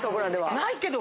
ないけど。